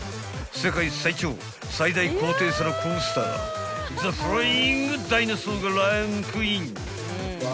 ［世界最長最大高低差のコースターザ・フライング・ダイナソーがランクイン］